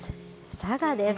佐賀です。